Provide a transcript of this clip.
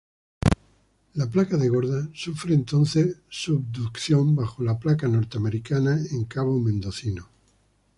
La Placa de Gorda sufre entonces subducción bajo la placa norteamericana en Cabo Mendocino.